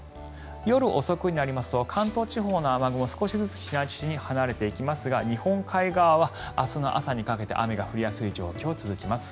夜遅くになりますと関東地方の雨雲は少しずつ東に離れていきますが日本海側は明日の朝にかけて雨が降りやすい状況が続きます。